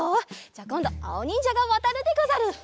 じゃあこんどあおにんじゃがわたるでござる！